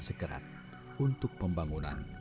sekerat untuk pembangunan